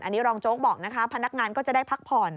อันนี้รองโจ๊กบอกนะคะพนักงานก็จะได้พักผ่อน